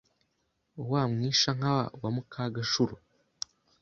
Wa Mwishankaba wa Mukaganshuro